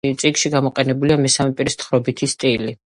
წიგნში გამოყენებულია მესამე პირის თხრობის სტილი.